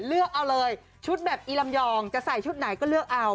เลือกเอาเลยชุดแบบอีลำยองจะใส่ชุดไหนก็เลือกเอา